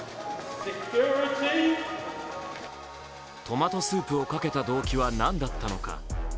トマトスープをかけた動機は何だったのか。